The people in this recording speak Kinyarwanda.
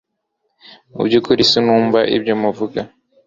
Mu byukuri sinumva ibyo muvuga